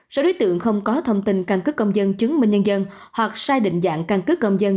số đối tượng không có thông tin căn cứ công dân chứng minh nhân dân hoặc sai định dạng căn cứ công dân